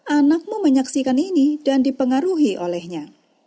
anakmu menyaksikan ini dan dipengaruhi olehnya